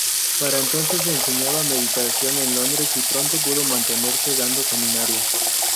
Para entonces enseñaba meditación en Londres y pronto pudo mantenerse dando seminarios.